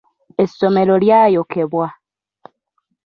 Essomero lya yokebwa.